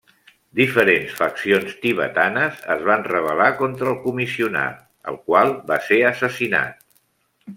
Diferents faccions tibetanes es van rebel·lar contra el comissionat, el qual va ser assassinat.